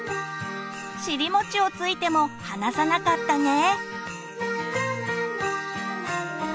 尻もちをついても離さなかったね！